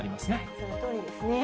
そのとおりですね。